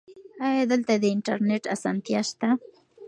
ایا دلته د انټرنیټ اسانتیا شته؟